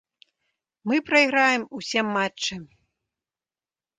Мы прайграем усе матчы.